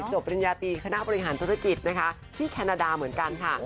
ปริญญาตรีคณะบริหารธุรกิจนะคะที่แคนาดาเหมือนกันค่ะ